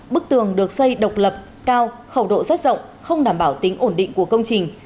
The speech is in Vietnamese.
bức tường được xây độc lập cao khẩu độ rất rộng không đảm bảo tính ổn định của công trình